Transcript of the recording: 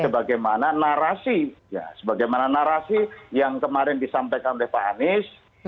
sebagaimana narasi sebagaimana narasi yang kemarin disampaikan oleh pak anies